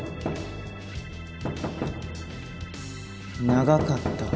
長かった。